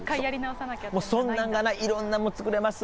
そんなんがない、いろんなもの作れます。